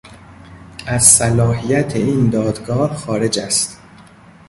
از صلاحیت این دادگاه خارج است.